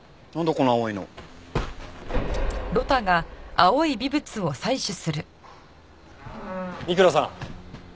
この青いの。三倉さん。